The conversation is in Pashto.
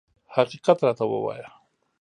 حقیقت راته ووایه.